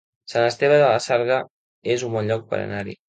Sant Esteve de la Sarga es un bon lloc per anar-hi